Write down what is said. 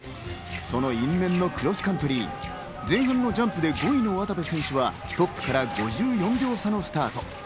その因縁のクロスカントリー、前半のジャンプで５位の渡部選手はトップから５４秒差のスタート。